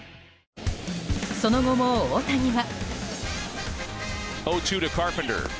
その後も大谷は。